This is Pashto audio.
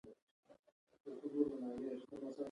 انحصاراتو سیالي له منځه نه ده وړې